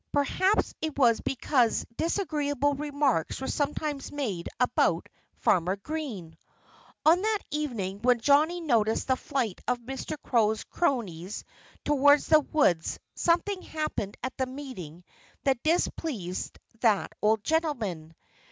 Perhaps it was because disagreeable remarks were sometimes made about Farmer Green! On that evening when Johnnie noticed the flight of Mr. Crow's cronies toward the woods something happened at the meeting that displeased that old gentleman.